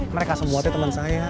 mereka semuanya teman saya